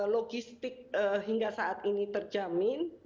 logistik hingga saat ini terjamin